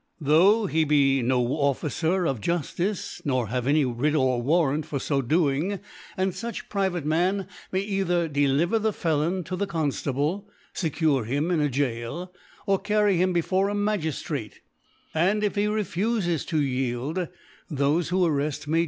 tho^ he be no Officer of Juftice, nor have any Writ or Warrant for fo doing; and fuch private Man may either deliver the Felon to the Conftable, fecure him in a Goal, or carry him before a Magiftratc t^ And if he refufes to yield, thoie who arrctt may * 34 Edw.